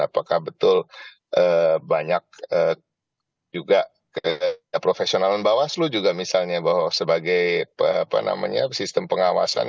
apakah betul banyak juga keprofesionalan bawaslu juga misalnya bahwa sebagai sistem pengawasan